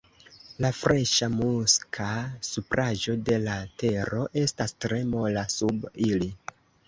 La freŝa muska supraĵo de la tero estas tre mola sub ili.